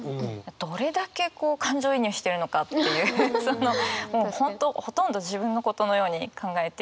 どれだけこう感情移入してるのかっていうそのもう本当ほとんど自分のことのように考えているっていう。